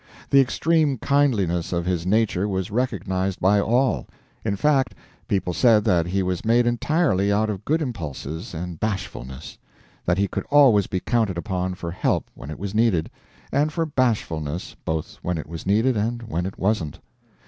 The extreme kindliness of his nature was recognized by all; in fact, people said that he was made entirely out of good impulses and bashfulness; that he could always be counted upon for help when it was needed, and for bashfulness both when it was needed and when it wasn't.